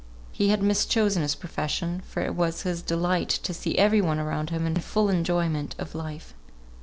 He had mischosen his profession; for it was his delight to see every one around him in full enjoyment of life.